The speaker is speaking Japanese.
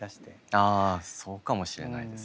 あそうかもしれないですね。